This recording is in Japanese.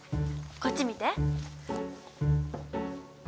こっち見て。